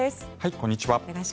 こんにちは。